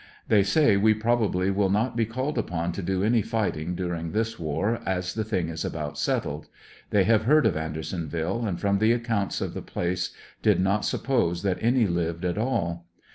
They say we probably will not be called upon to do any fighting during this war, as the thing is about settled. They have heard of Andersonville, and from the accounts of the place did not suppose that any lived at all.